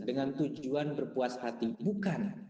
dengan tujuan berpuas hati bukan